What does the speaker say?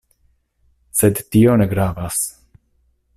Sed tio ne gravas.